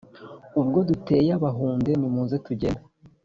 Ubwo duteye Abahunde nimuze tugende